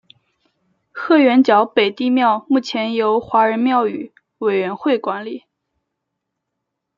鹤园角北帝庙目前由华人庙宇委员会管理。